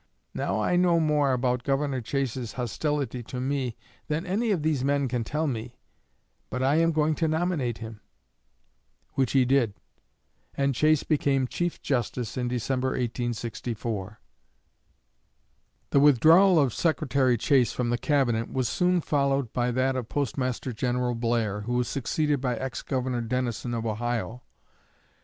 Now I know more about Governor Chase's hostility to me than any of these men can tell me; but I am going to nominate him." Which he did, and Chase became Chief Justice in December, 1864. The withdrawal of Secretary Chase from the Cabinet was soon followed by that of Postmaster General Blair, who was succeeded by ex Governor Dennison of Ohio.